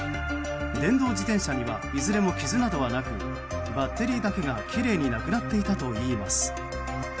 電動自転車にはいずれも傷などはなくバッテリーだけがきれいになくなっていたといいます。